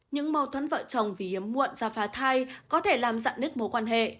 những mâu thuẫn vợ chồng vì hiếm muộn do phá thai có thể làm dặn nứt mối quan hệ